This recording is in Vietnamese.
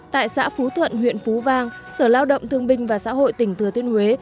tại xã phú thuận huyện phú vang sở lao động thương binh và xã hội tỉnh thừa thiên huế